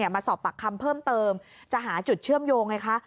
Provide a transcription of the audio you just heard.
มาสอบปากคำเพิ่มเติมจะหาจุดเชื่อมโยงไงคะ